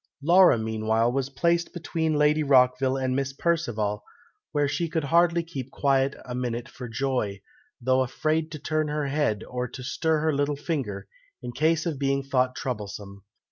Laura, meanwhile, was placed between Lady Rockville and Miss Perceval, where she could hardly keep quiet a minute for joy, though afraid to turn her head or to stir her little finger, in case of being thought troublesome.